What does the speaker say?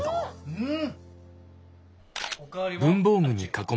うん。